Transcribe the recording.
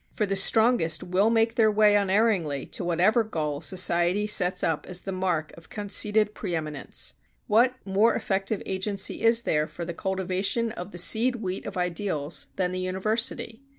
For the strongest will make their way unerringly to whatever goal society sets up as the mark of conceded preëminence. What more effective agency is there for the cultivation of the seed wheat of ideals than the university?